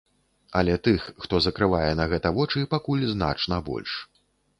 Але тых, хто закрывае на гэта вочы, пакуль значна больш.